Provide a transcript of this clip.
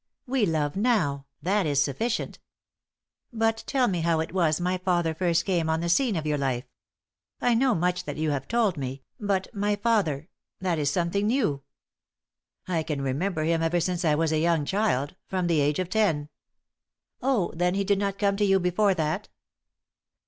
We love now, that is sufficient. But tell me how it was my father first came on the scene of your life? I know much that you have told me: but my father that is something new." "I can remember him ever since I was a young child from the age of ten." "Oh then he did not come to you before that?"